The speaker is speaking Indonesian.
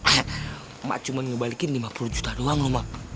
emak cuma ngebalikin lima puluh juta doang loh emak